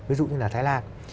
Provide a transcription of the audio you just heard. ví dụ như là thái lan